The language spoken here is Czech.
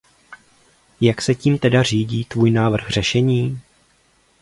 Jak se tím teda řídí tvůj návrh řešení?